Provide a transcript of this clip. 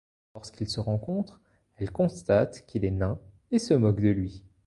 Lorsqu'ils se rencontrent, elle constate qu'il est nain et se moque de lui.